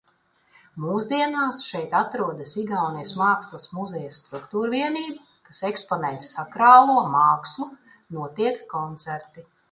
Mūsdienās šeit atrodas Igaunijas mākslas muzeja struktūrvienība, kas eksponē sakrālo mākslu, notiek koncerti.